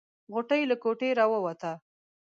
غوټۍ له کوټې راووته.